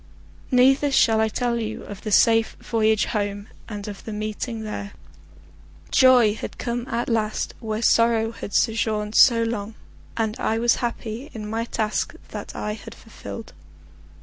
Neither shall I tell you of the safe voyage home, and of the meeting there. Joy had come at last where sorrow had sojourned so long, and I was happy in my task that I had fulfilled.